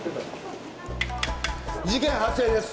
事件発生です！